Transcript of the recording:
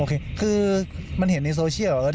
โอเคคือมันเห็นในโซเชียลเหรอเอิร์ท